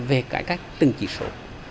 về cải cách từng chỉ số